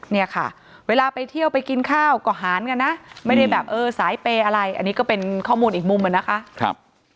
เนี่ยค่ะเวลาไปเที่ยวไปกินข้าวก็หารกันนะไม่ได้แบบเออสายเปย์อะไรอันนี้ก็เป็นข้อมูลอีกมุมอะนะคะ